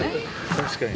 確かに。